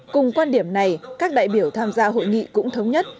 cùng quan điểm này các đại biểu tham gia hội nghị cũng thống nhất